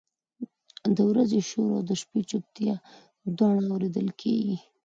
د ورځې شور او د شپې چپتیا دواړه اورېدل کېږي.